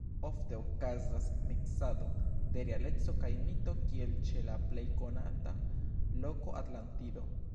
Ofte okazas miksado de realeco kaj mito kiel ĉe la plej konata loko Atlantido.